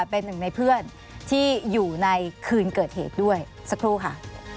เป็นหนึ่งในเพื่อนที่อยู่ในคืนเกิดเหตุด้วยสักครู่ค่ะ